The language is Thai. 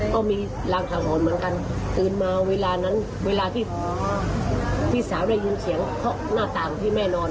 ก็มีรางสังหรณ์เหมือนกันตื่นมาเวลานั้นเวลาที่พี่สาวได้ยินเสียงเคาะหน้าต่างที่แม่นอน